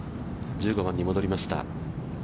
１５番に戻りました。